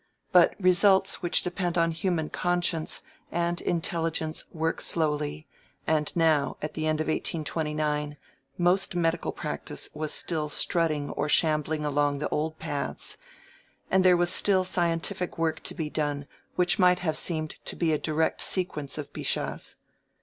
But results which depend on human conscience and intelligence work slowly, and now at the end of 1829, most medical practice was still strutting or shambling along the old paths, and there was still scientific work to be done which might have seemed to be a direct sequence of Bichat's.